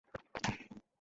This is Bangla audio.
আমায় তুমি ক্ষমা করে দাও।